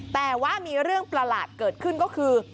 แต่ว่ามีเรื่องประหลาดเกิดขึ้นก็คือ